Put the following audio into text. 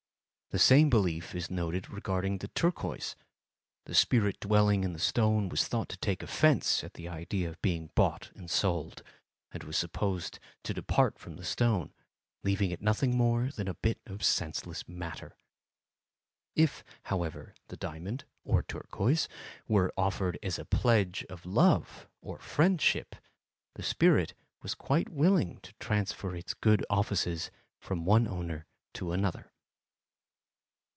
The same belief is noted regarding the turquoise. The spirit dwelling in the stone was thought to take offence at the idea of being bought and sold, and was supposed to depart from the stone, leaving it nothing more than a bit of senseless matter. If, however, the diamond (or turquoise) were offered as a pledge of love or friendship, the spirit was quite willing to transfer its good offices from one owner to another.